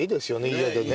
家でね。